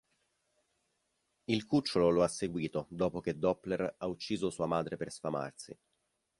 Il cucciolo lo ha seguito dopo che Doppler ha ucciso sua madre per sfamarsi.